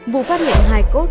vụ phát hiện hai cốt